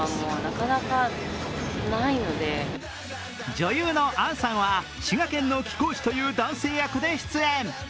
女優の杏さんは滋賀県の貴公子という男性役で出演。